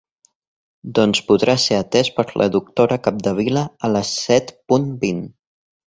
Doncs podrà ser atès per la doctora Capdevila a les set punt vint.